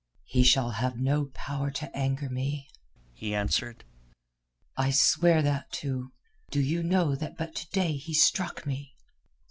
"He shall have no power to anger me," he answered. "I swear that too. Do you know that but to day he struck me?"